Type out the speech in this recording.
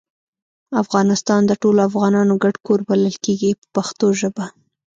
افغانستان د ټولو افغانانو ګډ کور بلل کیږي په پښتو ژبه.